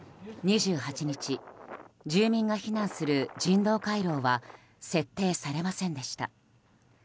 ２８日住民が避難する人道回廊は設定されませんでした。